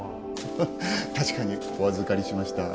確かにお預かりしました。